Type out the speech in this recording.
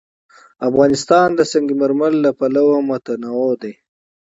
افغانستان د سنگ مرمر له پلوه متنوع دی.